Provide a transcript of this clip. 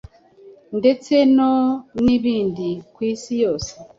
ndetse no nibindi ku Isi yose;